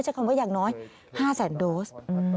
จะคำว่าอย่างน้อย๕๐๐๐๐๐โดส